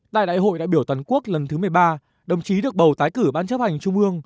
tại đại hội đại biểu toàn quốc lần thứ một mươi ba đồng chí được bầu tái cử ban chấp hành trung ương